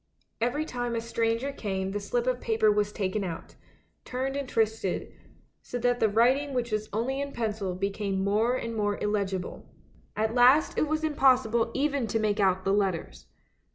Every time a stranger came the slip of paper was taken out, turned and twisted, so that the writing which was only in pencil became more and more illegible. At last it was impossible even to make out the letters.